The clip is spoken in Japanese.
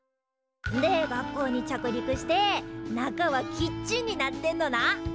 んで学校に着陸して中はキッチンになってんのな。